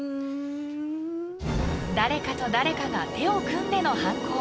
［誰かと誰かが手を組んでの犯行］